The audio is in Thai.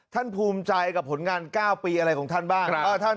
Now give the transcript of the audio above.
ภูมิใจกับผลงาน๙ปีอะไรของท่านบ้าง